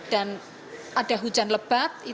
dan ada hujan lebat